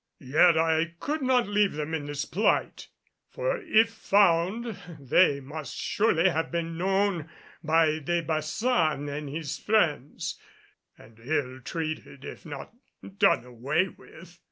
Yet I could not leave them in this plight, for if found they must surely have been known by De Baçan and his friends and ill treated, if not done away with.